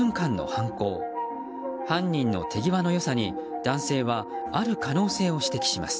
犯人の手際の良さに男性は、ある可能性を指摘します。